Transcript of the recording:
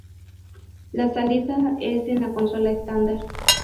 La salida es en la consola estándar.